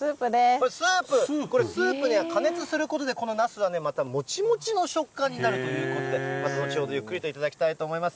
これ、スープ、スープには加熱することで、このナスがまたもちもちの食感になるということで、後ほどゆっくりと頂きたいと思います。